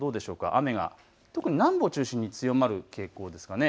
雨が特に南部を中心に強まる傾向ですね。